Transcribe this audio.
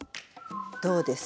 どうです？